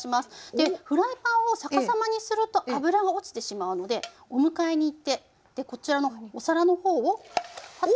でフライパンを逆さまにすると油が落ちてしまうのでお迎えにいってでこちらのお皿の方をパッと。